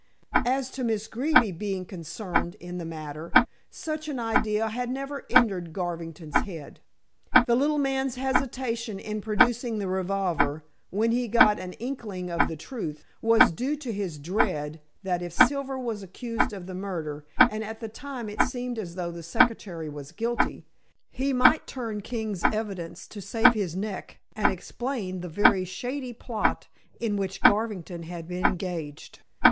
As to Miss Greeby being concerned in the matter, such an idea had never entered Garvington's head. The little man's hesitation in producing the revolver, when he got an inkling of the truth, was due to his dread that if Silver was accused of the murder and at the time it seemed as though the secretary was guilty he might turn king's evidence to save his neck, and explain the very shady plot in which Garvington had been engaged.